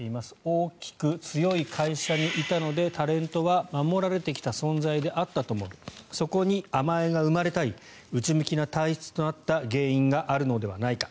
大きく強い会社にいたのでタレントは守られてきた存在であったと思うそこに甘えが生まれたり内向きな体質となった原因があるのではないか。